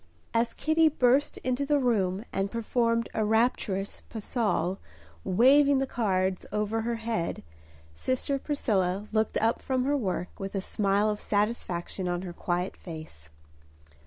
As Kitty burst into the room and performed a rapturous pas seul, waving the cards over her head, sister Priscilla looked up from her work with a smile of satisfaction on her quiet face.